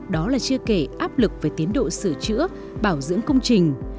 đó là chưa kể áp lực về tiến độ sửa chữa bảo dưỡng công trình